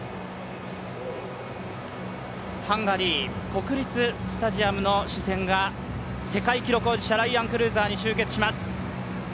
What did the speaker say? ハンガリー国立スタジアムの視線が世界記録保持者、ライアン・クルーザーに集結します